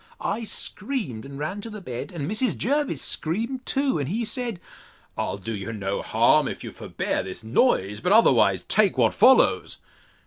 I screamed, and ran to the bed, and Mrs. Jervis screamed too; and he said, I'll do you no harm, if you forbear this noise; but otherwise take what follows.